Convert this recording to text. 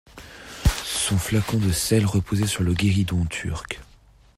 Son flacon de sels reposait sur le guéridon turc.